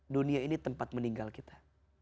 dunia ini tempat meninggal kita